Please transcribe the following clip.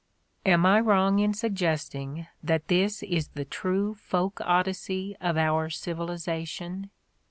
Am I wrong in suggesting that this is the true folk Odyssey of our civilization